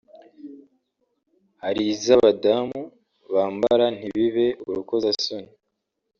hari iz’abadamu bambara ntibibe urukozasoni